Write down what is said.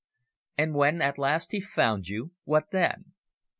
"And when at last he found you, what then?"